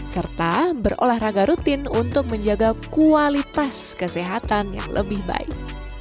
serta berolahraga rutin untuk menjaga kualitas kesehatan yang lebih baik